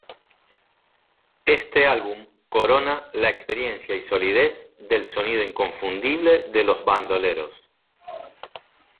Este álbum corona la experiencia y solidez del sonido inconfundible de Los Bandoleros.